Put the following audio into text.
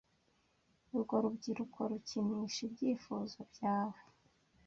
Urwo rubyiruko rukinisha ibyifuzo byawe